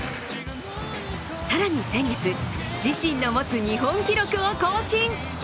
更に先月、自身の持つ日本記録を更新。